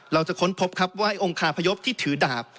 เราจะค้นพบครับว่าให้องค์คาพยพที่ถือดาบ